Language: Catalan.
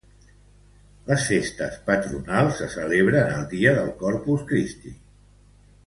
Les festes patronals se celebren el dia del Corpus Christi.